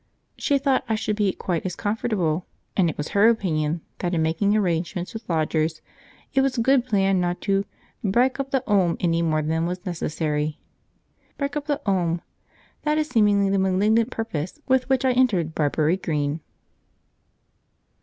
She thought I should be quite as comfortable, and it was her opinion that in making arrangements with lodgers, it was a good plan not to "bryke up the 'ome any more than was necessary." "Bryke up the 'ome!" That is seemingly the malignant purpose with which I entered Barbury Green.